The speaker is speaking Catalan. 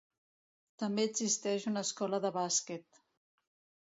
També existeix una Escola de Bàsquet.